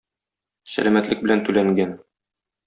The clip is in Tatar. Сәламәтлек белән түләнгән.